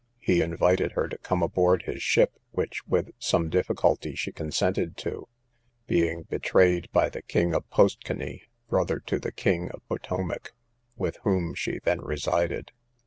He invited her to come aboard his ship, which with some difficulty she consented to, being betrayed by the king of Postcany, brother to the king of Patowmac, with whom she then resided.